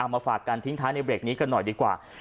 มาฝากกันทิ้งท้ายในเบรกนี้กันหน่อยดีกว่า